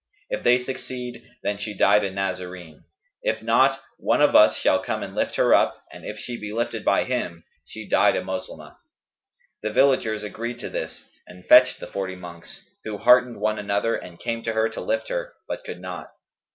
If they succeed, then she died a Nazarene; if not, one of us shall come and lift her up and if she be lifted by him, she died a Moslemah.' The villagers agreed to this and fetched the forty monks, who heartened one another, and came to her to lift her, but could not.